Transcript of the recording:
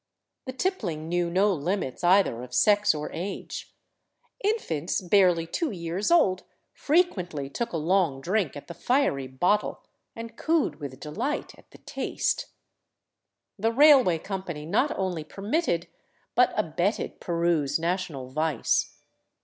The tippling knew no limits either of sex or age. Infants barely two years old frequently took a long drink at the fiery bottle, and cooed with delight at the taste. The railway company not only permitted, but abetted Peru's national vice.